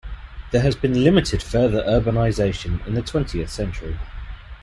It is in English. There has been limited further urbanization in the twentieth century.